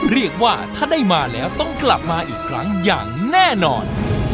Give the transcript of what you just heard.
เรียกว่าถ้าได้มาแล้วต้องกลับมาอีกครั้งอย่างแน่นอน